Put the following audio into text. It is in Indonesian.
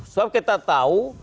sebab kita tahu